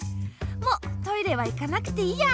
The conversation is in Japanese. もうトイレは行かなくていいや。